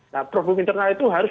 nah problem internal itu harus